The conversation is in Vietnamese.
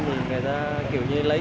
cô gái đang đứng một mình